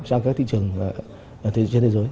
sang các thị trường trên thế giới